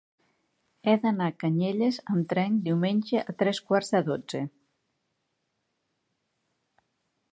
He d'anar a Canyelles amb tren diumenge a tres quarts de dotze.